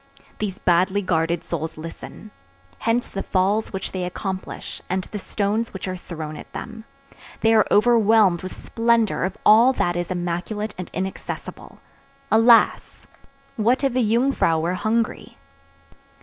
These badly guarded souls listen. Hence the falls which they accomplish, and the stones which are thrown at them. They are overwhelmed with splendor of all that is immaculate and inaccessible. Alas! what if the Jungfrau were hungry?